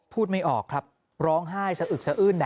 พูดไม่ออกครับร้องไห้สะอึดสะอืดนะครับ